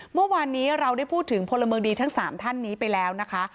เมื่อวานนี้เราได้พูดถึงพลเมืองดีทั้ง๓ท่านนี้ไปแล้วนะคะ